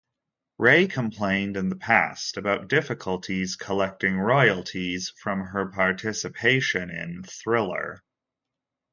Ray complained in the past about difficulties collecting royalties from her participation in "Thriller".